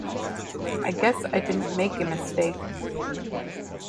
I guess I didn't make a mistake.